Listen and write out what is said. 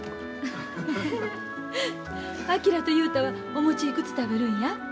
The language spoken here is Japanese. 昭と雄太はお餅いくつ食べるんや？